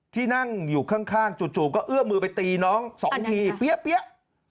ที่นั่งอยู่ข้างจู่ก็เอื้อมือไปตีน้อง๒ทีเปี๊ยะ